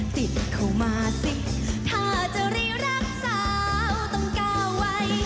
ติดเข้ามาสิถ้าจะรีรักสาวต้องก้าวไว้